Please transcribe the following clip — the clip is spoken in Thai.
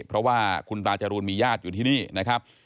เพราะว่าคุณตาจรูนมีญาติอยู่ที่นี่นะครับ